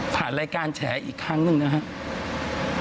ผ่านรายการแฉอีกครั้งหนึ่งนะครับ